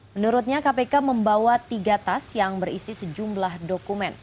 menurutnya kpk membawa tiga tas yang berisi sejumlah dokumen